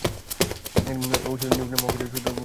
এই সূত্র নিউটনের মহাকর্ষীয় সূত্র-এর সদৃশ।